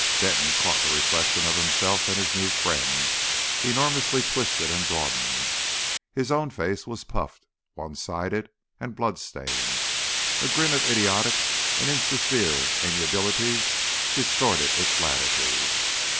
Denton caught the reflection of himself and his new friend, enormously twisted and broadened. His own face was puffed, one sided, and blood stained; a grin of idiotic and insincere amiability distorted its latitude.